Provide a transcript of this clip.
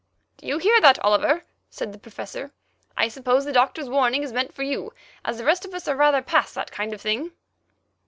"Do you hear that, Oliver?" said the Professor. "I suppose that the Doctor's warning is meant for you, as the rest of us are rather past that kind of thing."